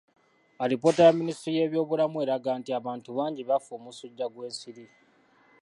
Alipoota ya minisitule y'ebyobulamu eraga nti abantu bangi bafa omusujja gw'ensiri.